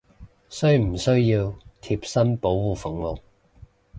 需唔需要貼身保護服務！？